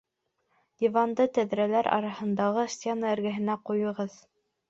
Диванды тәҙрәләр араһындағы стена эргәһенә ҡуйығыҙ